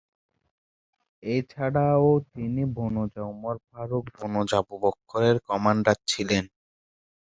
এছাড়াও তিনি বানৌজা উমর ফারুক, বানৌজা আবু বকর-এর কমান্ডার ছিলেন।